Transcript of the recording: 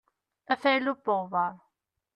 Afaylu n weɣbaṛ.